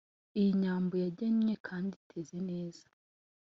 Iyi Nyambo yangennye kandi iteze neza